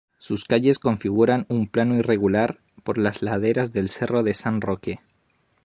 Sus calles configuran un plano irregular por las laderas del Cerro de San Roque.